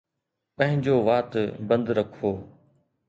پنهنجو وات بند رکو